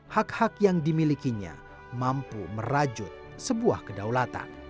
hak hak yang dimilikinya mampu merajut sebuah kedaulatan